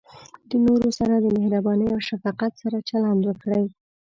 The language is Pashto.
د نورو سره د مهربانۍ او شفقت سره چلند وکړئ.